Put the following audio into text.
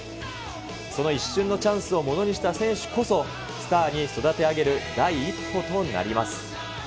その一瞬のチャンスをものにした選手こそ、スターに育て上げる第一歩となります。